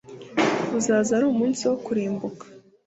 uzaza ari umunsi wo kurimbuka